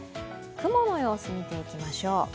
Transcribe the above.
雲の様子、見ていきましょう。